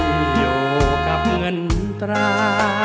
ที่โยกับเงินตรา